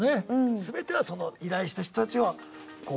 全てはその依頼した人たちをこう。